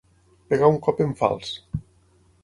Pegar un cop en fals.